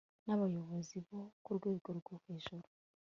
n abayobozi bo ku rwego rwo hejuru